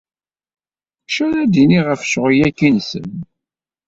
D acu ara d-iniɣ ɣef ccɣel-agi-nsen?